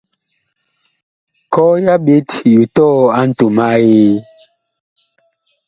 Kɔɔ ya ɓet yu tɔɔ a ntom a Eee.